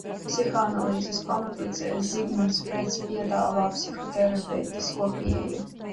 Psihoanalīzes pamatlicējs Zigmunds Freids piedāvā psihoterapeitisko pieeju.